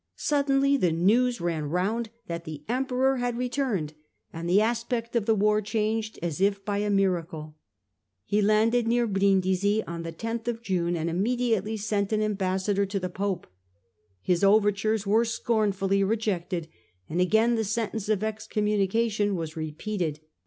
Suddenly the news ran round that the Emperor had returned, and the aspect of the war changed as if by a miracle. He landed near Brindisi on the loth of June and immediately sent an embassy to the Pope. His overtures were scornfully rejected, and again the sentence of excommunication was repeated.